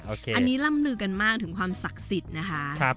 โอเคอันนี้ลำลือกันมากถึงความศักดิ์สิทธิ์นะคะครับผม